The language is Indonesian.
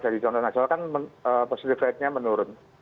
jadi jualan nasional kan positif rate nya menurun